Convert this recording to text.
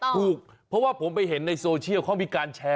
พอก็นั่งถามกันว่ามันใช่หรือไม่ใช่